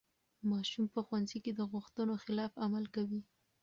ماشوم په ښوونځي کې د غوښتنو خلاف عمل کوي.